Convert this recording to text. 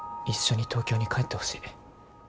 一緒に東京に帰ってほしい。